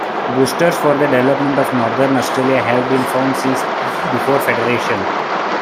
Boosters for the development of Northern Australia have been found since before Federation.